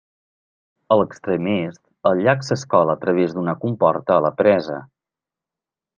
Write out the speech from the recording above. A l'extrem est, el llac s'escola a través d'una comporta a la presa.